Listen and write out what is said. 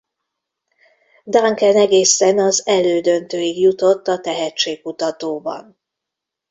Duncan egészen az elődöntőig jutott a tehetségkutatóban.